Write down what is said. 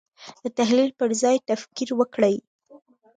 د تحلیل پر ځای تکفیر وکړي.